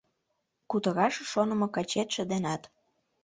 Кутыраш шонымо качетше денат